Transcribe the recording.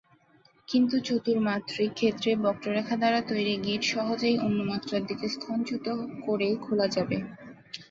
কিন্তু চতুর্মাত্রিক ক্ষেত্রে বক্ররেখা দ্বারা তৈরি গিট সহজেই অন্য মাত্রার দিকে স্থানচ্যুত করে খোলা যাবে।